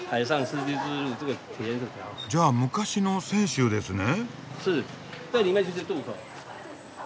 じゃあ昔の泉州ですね？